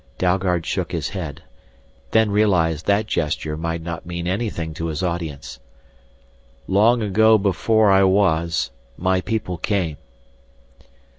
Dalgard shook his head, then realized that gesture might not mean anything to his audience. "Long ago before I was, my people came."